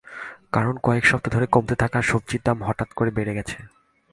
কারণ, কয়েক সপ্তাহ ধরে কমতে থাকা সবজির দাম হঠাৎ করে বেড়ে গেছে।